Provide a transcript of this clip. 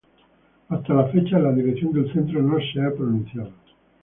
Hasta la fecha la dirección del centro no se ha pronunciado.